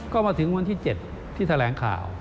ก็มาถึงวันที่๗ที่แถลงข่าว